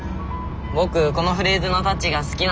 僕このフレーズのタッチが好きなんだ。